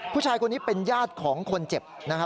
ผู้ชายคนนี้เป็นญาติของคนเจ็บนะครับ